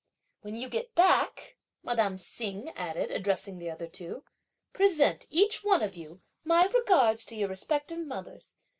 "When you get back," madame Hsing added, addressing the other two, "present, each one of you, my regards to your respective mothers.